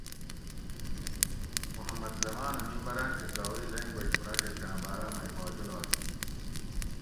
محمد زمان اۤ ممبران کہ گاؤری لینگویج پراجیکٹاۤں باراۤ مئی پا جولاگ کیر